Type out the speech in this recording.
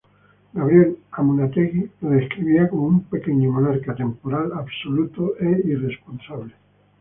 Gabriel Amunátegui lo describía como "un pequeño monarca temporal, absoluto e irresponsable".